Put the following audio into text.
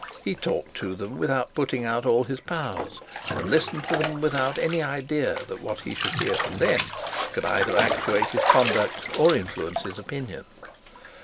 He talked to them without putting out all his powers, and listened to them without any idea that what he should hear from them could either actuate his conduct or influence his opinion.